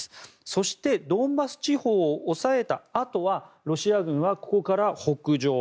そして、ドンバス地方を押さえたあとはロシア軍はここから北上。